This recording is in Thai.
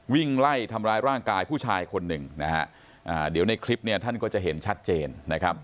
วิ่งไล่ทำร้ายร่างกายผู้ชายคนหนึ่งนะฮะอ่าเดี๋ยวในคลิปเนี่ยท่านก็จะเห็นชัดเจนนะครับ